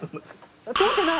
通ってない。